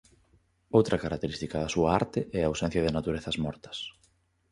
Outra característica da súa arte é a ausencia de naturezas mortas.